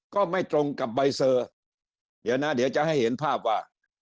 ก็ไม่ตรงกับใบเซอร์เดี๋ยวนะเดี๋ยวจะให้เห็นภาพว่า